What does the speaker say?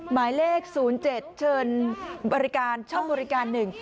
หมายเลข๐๗เชิญบริการช่องบริการหนึ่ง